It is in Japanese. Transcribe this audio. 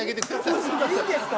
いいんですか？